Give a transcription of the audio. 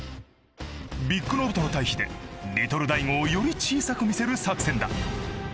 ビッグノブとの対比でリトル大悟をより小さく見せる作戦だ。